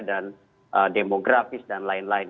dan demografis dan lain lain